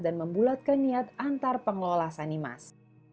membulatkan niat antar pengelola sanimas